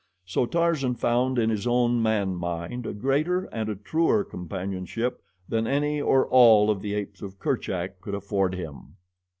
So Tarzan found in his own man mind a greater and a truer companionship than any or all of the apes of Kerchak could afford him.